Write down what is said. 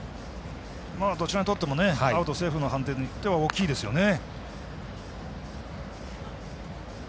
どちらにとってもアウト、セーフの判定は大きいですよね。